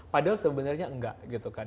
padahal sebenarnya enggak gitu kan